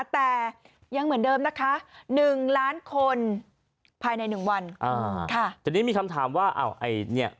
แต่ยังเหมือนเดิมนะคะ๑ล้านคนภายในนิ่งวันค่ะ